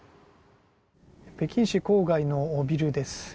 北京市郊外のビルです。